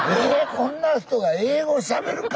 こんな人が英語しゃべるか？